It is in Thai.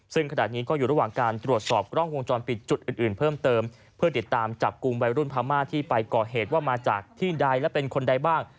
ซึ่งขณะนี้ก็อยู่ระหว่างการตรวจสอบกล้องวงจรปิดจุดอื่นอื่นเพิ่มเติมเพื่อติดตามจับกลุ่มวัยรุ่นพม่าที่ไปก่อเหตุว่ามาจากที่ใดและเป็นคนใดบ้าง